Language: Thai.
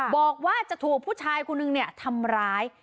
บอกว่าจะเถอะผู้ชายคุณหนึ่งทำร้าย